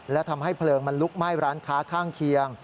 และทำให้เพลิงมันลุกไหม้ร้านค้าข้างเคียง